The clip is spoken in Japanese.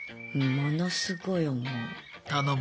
ものすごい思う。